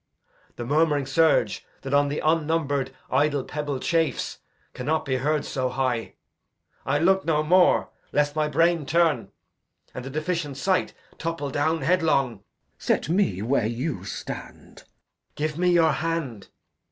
The murmuring surge That on th' unnumb'red idle pebble chafes Cannot be heard so high. I'll look no more, Lest my brain turn, and the deficient sight Topple down headlong. Glou. Set me where you stand. Edg. Give me your hand.